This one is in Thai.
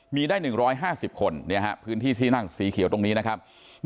มีได้๑๕๐คนพื้นที่ที่นั่งสีเขียวตรงนี้นะครับ